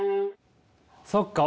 そっか。